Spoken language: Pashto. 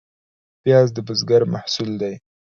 پیاز د بزګر محصول دی